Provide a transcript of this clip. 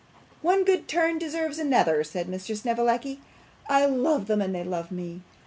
'One good turn deserves another,' said Mr. Snevellicci. 'I love them and they love me.